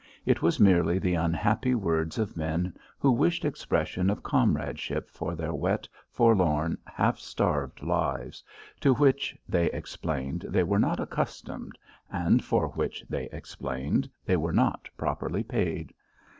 It was merely the unhappy words of men who wished expression of comradeship for their wet, forlorn, half starved lives, to which, they explained, they were not accustomed, and for which, they explained, they were not properly paid.